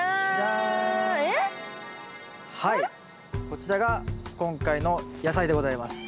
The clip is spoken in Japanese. こちらが今回の野菜でございます。